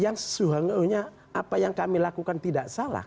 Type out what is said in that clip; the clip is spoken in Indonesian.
yang sesuai dengan apa yang kami lakukan tidak salah